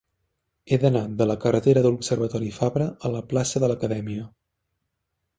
He d'anar de la carretera de l'Observatori Fabra a la plaça de l'Acadèmia.